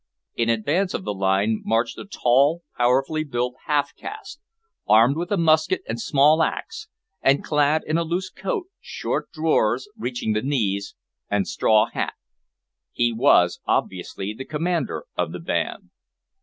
In advance of the line marched a tall, powerfully built half caste, armed with a musket and small axe, and clad in a loose coat, short drawers reaching the knees, and straw hat. He was obviously the commander of the band.